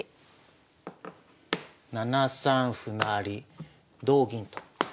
７三歩成同銀と。